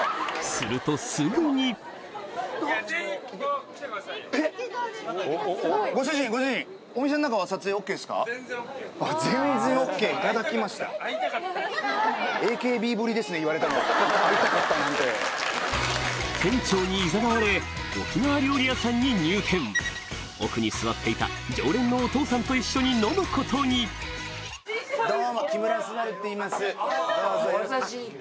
するとすぐに店長にいざなわれ沖縄料理屋さんに入店奥に座っていた常連のお父さんと一緒に飲むことにどうぞよろしく。